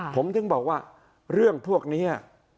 ผมถึงบอกว่าเรื่องพวกนี้